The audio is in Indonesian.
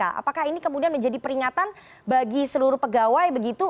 apakah ini kemudian menjadi peringatan bagi seluruh pegawai begitu